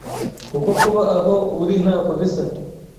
kuko kuba aho uri ntako bisa